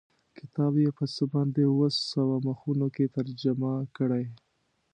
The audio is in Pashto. کتاب یې په څه باندې اووه سوه مخونو کې ترجمه کړی.